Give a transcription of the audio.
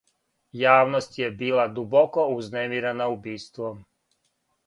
Јавност је била дубоко узнемирена убиством.